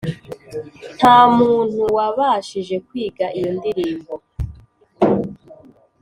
Nta muntu wabashije kwiga iyo ndirimbo,